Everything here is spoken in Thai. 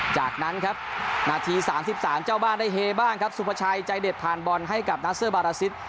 จากนั้นครับนาที๓๓เจ้าบ้านได้เฮบ้างครับสุภาชัยใจเด็ดผ่านบอลให้กับนัสเซอร์บาราซิส